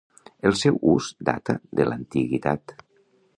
El seu ús data de l'antiguitat.